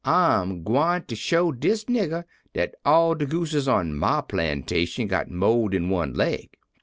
I'm gwineter show dis nigger dat all de gooses on my plantation got mo' den one leg.'